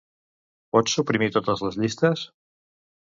Pots suprimir totes les llistes?